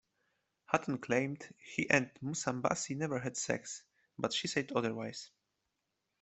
Hutton claimed he and Musambasi never had sex, but she said otherwise.